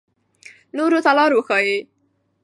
نورو ته لار وښایئ.